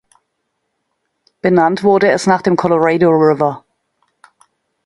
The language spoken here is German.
Benannt wurde es nach dem Colorado River.